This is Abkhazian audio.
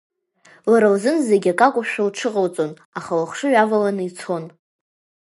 Лара лзын зегьы акакәушәа лҽыҟалҵон, аха лыхшыҩ аваланы ицон.